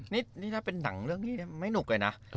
นี่ถ้าเป็นหนังเรื่องนี้ไม่หนุกเลยนะ